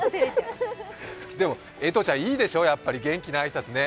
でも江藤ちゃん、いいでしょ、元気な挨拶ね。